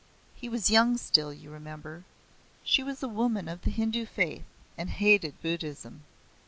He was young still, you remember. She was a woman of the Hindu faith and hated Buddhism.